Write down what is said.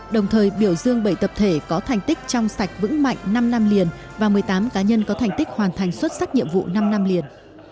đồng thời biểu dương bảy tập thể có thành tích trong sạch vững mạnh năm năm liền và một mươi tám cá nhân có thành tích hoàn thành xuất sắc nhiệm vụ năm năm liền